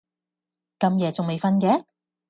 咁夜仲未訓嘅？